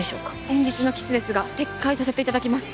先日のキスですが撤回させて頂きます。